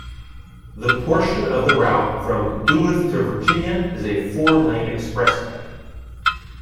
The portion of the route from Duluth to Virginia is a four-lane expressway.